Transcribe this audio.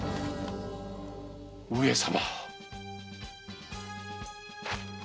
上様？